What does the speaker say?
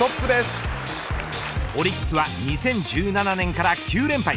オリックスは２０１７年から９連敗。